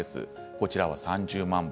こちらは３０万本。